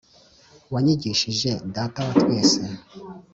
wanyigishije "data wa twese,"